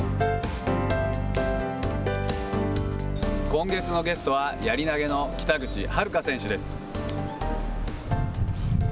今月のゲストは、やり投げの北口榛花選手です。